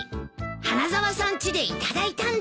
花沢さんちで頂いたんだよ。